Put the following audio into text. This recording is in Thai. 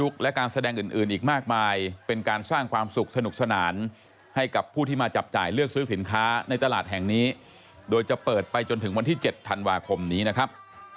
และการแสดงอื่นอีกมากมายเป็นการสร้างความสุขสนุกสนานให้กับผู้ที่มาจับจ่ายเลือกซื้อสินค้าในตลาดแห่งนี้โดยจะเปิดไปจนถึงวันที่๗ธันวาคมนี้นะครับ